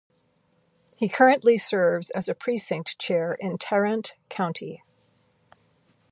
He currently serves as a precinct chair in Tarrant County.